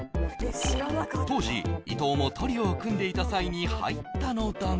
当時伊東もトリオを組んでいた際に入ったのだが